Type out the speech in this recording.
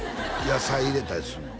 野菜入れたりするの？